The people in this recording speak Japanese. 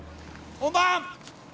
・本番！